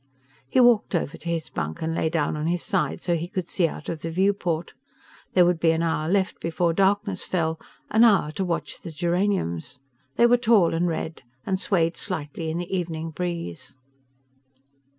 He walked over to his bunk and lay down on his side so he could see out of the viewport. There would be an hour left before darkness fell, an hour to watch the geraniums. They were tall and red, and swayed slightly in the evening breeze.